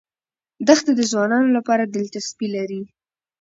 دښتې د ځوانانو لپاره دلچسپي لري.